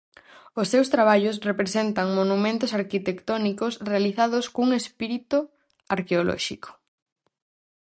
Os seus traballos representan monumentos arquitectónicos realizados cun espírito arqueolóxico.